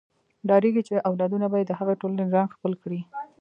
ډارېږي چې اولادونه به یې د هغې ټولنې رنګ خپل کړي.